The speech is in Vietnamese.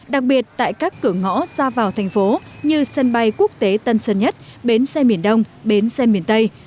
đặc biệt tại các cửa ngõ ra vào thành phố như sân bay quốc tế tân sơn nhất bến xe miền đông bến xe miền tây